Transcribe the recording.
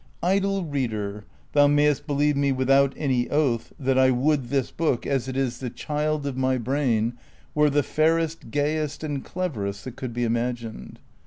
Idle Readef. : thou mayest believe me without any oalli that I woukl this book, as it is the child of my brain, were the fairest, gayest, and cleverest that could be imagined.